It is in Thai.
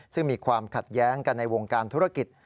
ซึ่งมีความขัดแย้งกันในวงการธุรกิจ